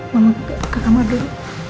mama ke kamar dulu